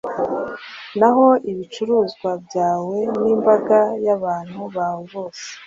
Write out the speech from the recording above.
naho ibicuruzwa byawe n imbaga y abantu bawe bose